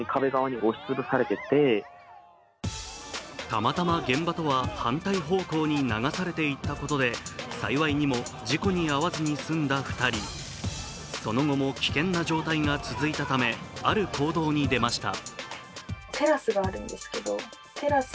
たまたま現場とは反対方向に流されていったことで幸いにも事故に遭わずに済んだ２人その後も危険な状態が続いたためある行動に出ました。